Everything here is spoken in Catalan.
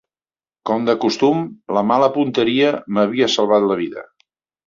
Com de costum, la mala punteria m'havia salvat la vida